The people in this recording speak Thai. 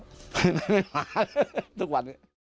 ไม่มาทุกวัน